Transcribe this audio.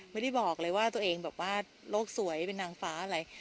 ไม่ได้บอกเลยว่าตัวเองโลกสวยนางฟ้าอะไร